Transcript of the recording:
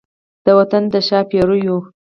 د وطن د ښا پیریو